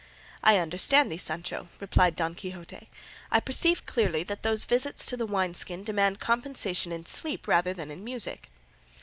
"I understand thee, Sancho," replied Don Quixote; "I perceive clearly that those visits to the wine skin demand compensation in sleep rather than in music."